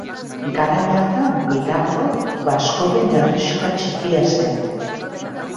Garai hartan Milagro, baskoien herrixka txikia zen.